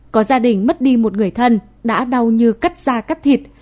có gia đình mất đi một người thân đã đau như cắt da cắt thịt